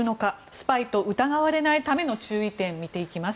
スパイと疑われないための注意点見ていきます。